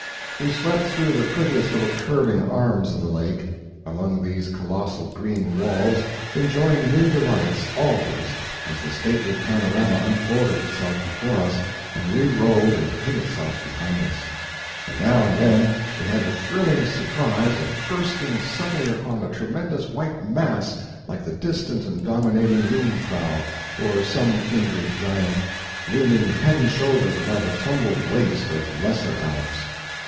We swept through the prettiest little curving arms of the lake, among these colossal green walls, enjoying new delights, always, as the stately panorama unfolded itself before us and rerolled and hid itself behind us; and now and then we had the thrilling surprise of bursting suddenly upon a tremendous white mass like the distant and dominating Jungfrau, or some kindred giant, looming head and shoulders above a tumbled waste of lesser Alps.